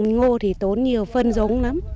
ngô thì tốn nhiều phân giống lắm